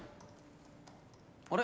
あれ？